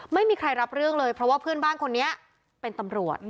ไม่มีใครรับเรื่องเลยเพราะว่าเพื่อนบ้านคนนี้เป็นตำรวจ